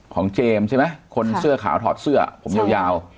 เจมส์ใช่ไหมคนเสื้อขาวถอดเสื้อผมยาว